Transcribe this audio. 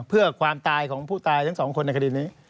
เพื่อความตายของผู้ตายทั้งสองคนในคดีนี้